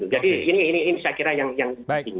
jadi ini saya kira yang penting